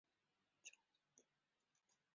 最终阶级陆军中将。